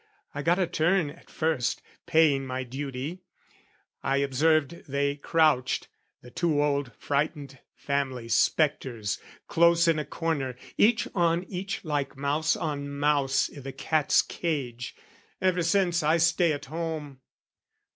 I got a turn at first "Paying my duty, I observed they crouched " The two old frightened family spectres, close "In a corner, each on each like mouse on mouse "I' the cat's cage: ever since, I stay at home.